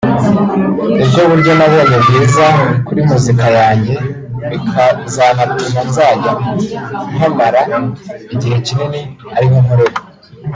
nibwo buryo nabonye bwiza kuri muzika yanjye bikazanatuma nzajya mpamara igihe kinini ariho nkorera